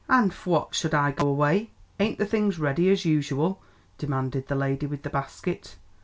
"An' phwat for should I go away; ain't the things ready as usual?" demanded the lady with the basket.